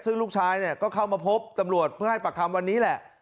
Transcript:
ซึ่งลูกชายเนี่ยก็เข้ามาพบตำรวจเพื่อให้ปากคำวันนี้แหละ